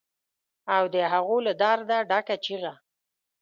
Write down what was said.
او د هغو له درده ډکه چیغه